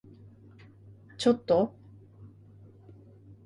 ちょっと？